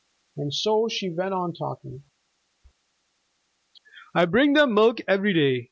And so she went on talking. "I bring them milk every day.